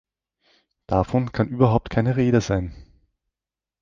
Davon kann überhaupt keine Rede sein!